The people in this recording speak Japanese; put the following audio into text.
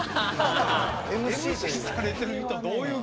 ＭＣされてる人どういう曲？